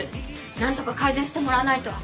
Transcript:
何とか改善してもらわないと。